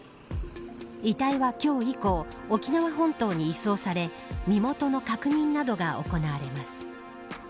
遺体は今日以降沖縄本島に移送され身元の確認などが行われます。